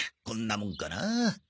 こんなもんかな。